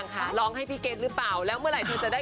กับเพลงที่มีชื่อว่ากี่รอบก็ได้